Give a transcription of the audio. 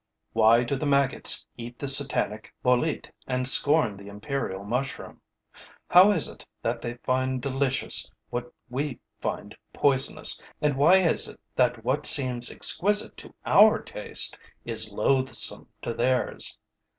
Why do the maggots eat the Satanic bolete and scorn the imperial mushroom? How is it that they find delicious what we find poisonous and why is it that what seems exquisite to our taste is loathsome to theirs?